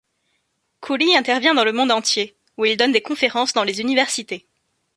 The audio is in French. Cooley intervient dans le monde entier, où il donne des conférences dans les universités.